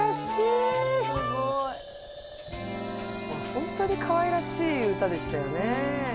ほんとにかわいらしい歌でしたよねえ。